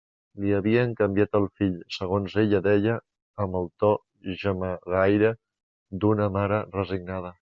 Li havien canviat el fill, segons ella deia amb el to gemegaire d'una mare resignada.